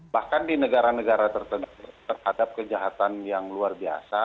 bahkan di negara negara terhadap kejahatan yang luar biasa